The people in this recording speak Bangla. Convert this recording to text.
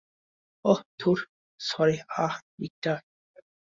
ওহ ধুর, সরি, আহ, রিক্টার।